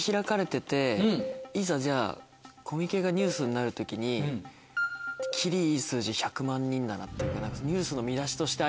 いざじゃあコミケがニュースになる時に切りいい数字１００万人だなって。